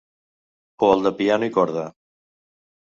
O el de piano i corda.